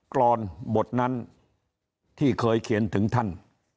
กรอนบทนั้นที่เคยเขียนถึงท่าน